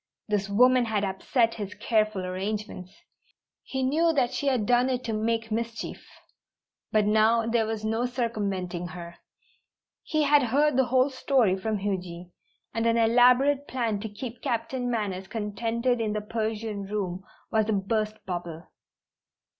This woman had upset his careful arrangements! He knew that she had done it to make mischief. But now there was no circumventing her. He had heard the whole story from Huji, and an elaborate plan to keep Captain Manners contented in the Persian room was a burst bubble.